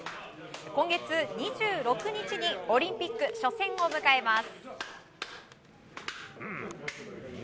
今月２６日にオリンピック初戦を迎えます。